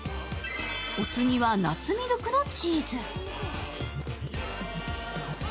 お次は夏ミルクのチーズ。